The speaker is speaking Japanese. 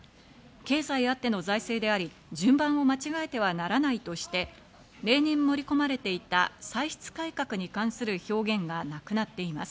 経済あっての財政であり順番を間違えてはならないとして、例年盛り込まれていた歳出改革に関する表現がなくなっています。